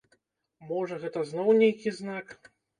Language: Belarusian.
Можа, гэта зноў нейкі знак?